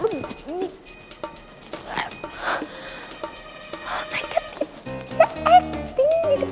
dia acting di depan mas pi